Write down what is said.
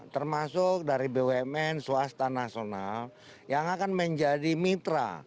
termasuk dari bumn swasta nasional yang akan menjadi mitra